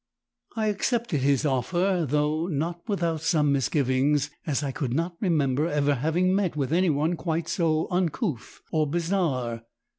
"I accepted his offer, though not without some misgivings, as I could not remember ever having met with any one quite so uncouth or bizarre.